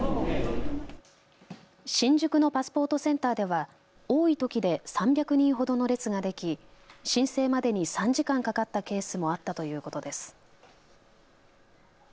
新宿のパスポートセンターでは多いときで３００人ほどの列ができ、申請までに３時間かかったケースもあったということです。